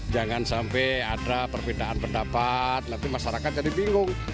jangan sampai ada perbedaan pendapat nanti masyarakat jadi bingung